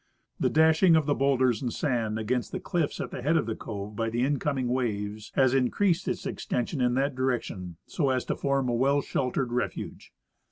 The dash ing of the l)owlders and sand against the cliffs at the head of the cove by the incoming waves has increased its extension in that direction so as to form a well sheltered ' refuge.